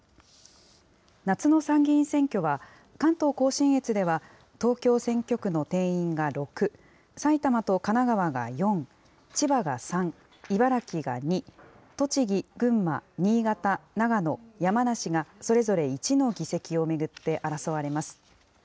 夏の参議院選挙は、関東甲信越では、東京選挙区の定員が６、埼玉と神奈川が４、千葉が３、茨城が２、栃木、群馬、新潟、長野、山梨がそれぞれ１の議席を巡って争われます。